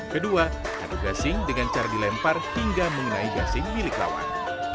kedua adu gasing dengan cara dilempar hingga mengenai gasing milik lawan